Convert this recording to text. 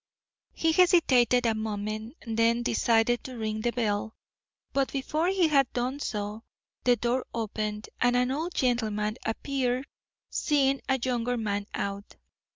He hesitated a moment, then decided to ring the bell. But before he had done so, the door opened and an old gentleman appeared seeing a younger man out.